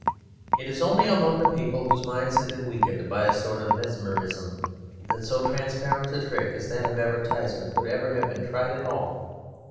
It is only among people whose minds have been weakened by a sort of mesmerism that so transparent a trick as that of advertisement could ever have been tried at all.